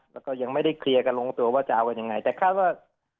แล้วก็ยังไม่ได้เคลียร์กันลงตัวว่าจะเอากันยังไงแต่คาดว่า